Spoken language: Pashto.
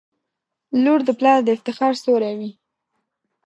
• لور د پلار د افتخار ستوری وي.